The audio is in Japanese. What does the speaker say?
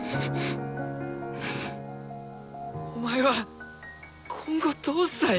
お前は今後どうしたい？